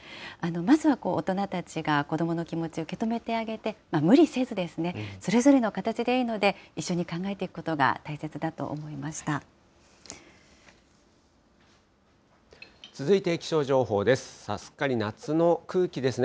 まずは大人たちが子どもの気持ちを受け止めてあげて、無理せずですね、それぞれの形でいいので、一緒に考えていくことが大切だと続いて気象情報です。